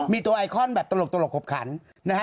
มีตัวไอคอนโตรกหกขันนะฮะ